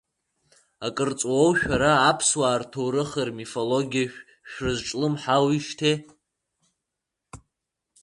Акыр ҵуоу шәара аԥсуаа рҭоурыхи рмифологиеи шәырзҿлымҳауижьҭеи?